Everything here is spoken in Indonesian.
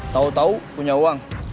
tahu tahu punya uang